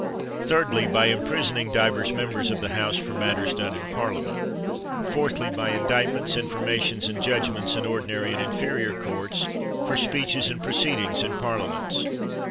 Thirdly, by imprisoning divers members of the House, for matters done in Parliament. Fourthly, by indictments, informations, and judgments in ordinary and inferior courts, for speeches and proceedings in parliaments.